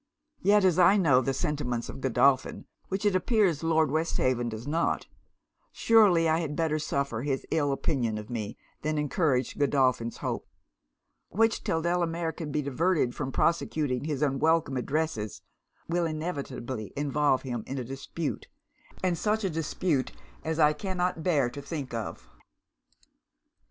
Yet as I know the sentiments of Godolphin, which it appears Lord Westhaven does not, surely I had better suffer his ill opinion of me, than encourage Godolphin's hopes; which, till Delamere can be diverted from prosecuting his unwelcome addresses, will inevitably involve him in a dispute, and such a dispute as I cannot bear to think of.'